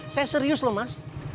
saya serius loh mas